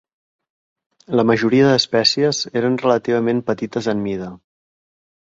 La majoria d'espècies eren relativament petites en mida.